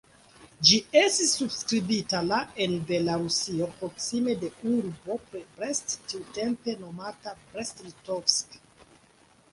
Ĝi estis subskribita la en Belarusio, proksime de urbo Brest, tiutempe nomata "Brest-Litovsk'".